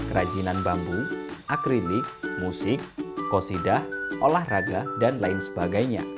kerajinan bambu akrinik musik kosidah olahraga dan lain sebagainya